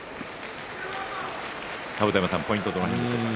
甲山さん、ポイントはどの辺りでしょうか。